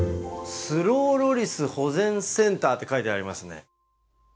「スローロリス保全センター」って書いてありますね。